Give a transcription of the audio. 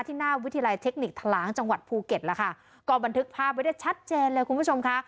หน้าวิทยาลัยเทคนิคทะล้างจังหวัดภูเก็ตแล้วค่ะก็บันทึกภาพไว้ได้ชัดเจนเลยคุณผู้ชมค่ะ